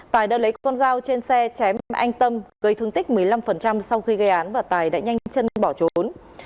tài đã lấy con dao trên xe chém anh tâm gây thương tích một mươi năm sau khi gây án và tài đã nhanh chân bỏ trốn